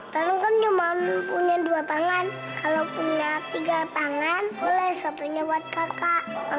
tolong kan cuma punya dua tangan kalau punya tiga tangan boleh satunya buat kakak